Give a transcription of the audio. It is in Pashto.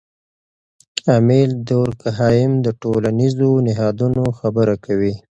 امیل دورکهایم د ټولنیزو نهادونو خبره کوي.